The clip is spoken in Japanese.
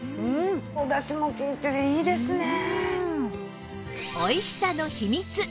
おだしも利いてていいですね。